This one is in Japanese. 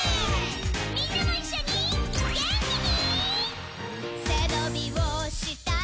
みんなもいっしょに元気に！